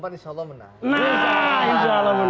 nah insya allah menang